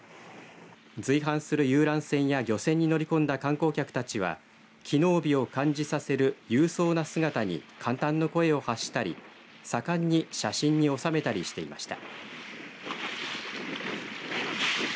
随伴する遊覧船や漁船に乗り込んだ観光客たちは機能美を感じさせる勇壮な姿に感嘆の声を発したり盛んに写真に収めたりしていました。